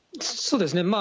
そうですね。